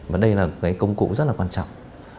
và đây là công cụ rất là quan trọng